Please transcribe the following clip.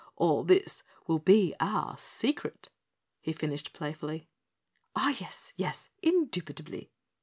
All this will be OUR secret," he finished playfully. "Oh, yes, yes indubitably!"